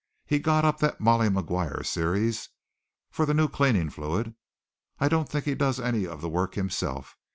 He got up that Molly Maguire series for the new cleaning fluid. I don't think he does any of the work himself.